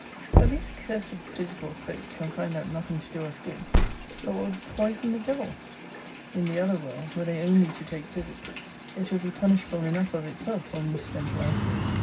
That these cursed physical folks can find out nothing to do us good, but what would poison the devil! In the other world, were they only to take physic, it would be punishable enough of itself for a mis spent life.